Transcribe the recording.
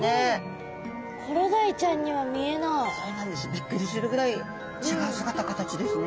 びっくりするぐらい違う姿形ですね！